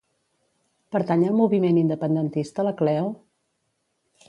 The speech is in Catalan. Pertany al moviment independentista la Cleo?